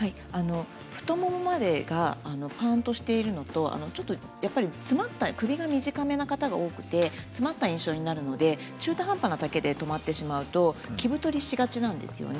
太ももまでがパンとしているのと首が短めな方が多くて詰まった印象になるので中途半端な丈で止まってしまうと着太りしがちなんですね。